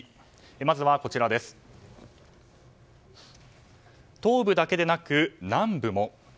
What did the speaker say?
まずは、東部だけでなく南部も。